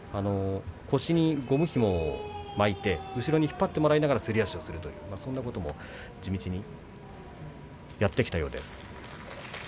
腰にゴムひもを巻いて後ろに引っ張ってもらいながらすり足をするなど地道にやってきたようです。